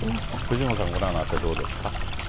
藤本さんご覧になってどうですか？